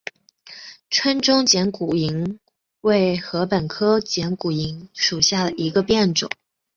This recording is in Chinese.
川中剪股颖为禾本科剪股颖属下的一个变种。